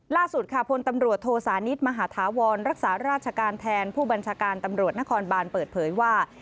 ล่าสุดค่ะพลตำรวจโทสานิทมหาธาวรรักษาราชการแทนผู้บัญชาการตำรวจนครบานเปิดเผยว่า